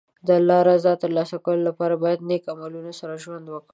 د الله رضا ترلاسه کولو لپاره باید د نېک عملونو سره ژوند وکړي.